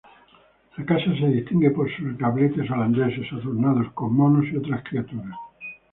La casa se distingue por sus gabletes holandeses adornados con monos y otras criaturas.